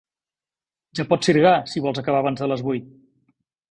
Ja pots sirgar, si vols acabar abans de les vuit!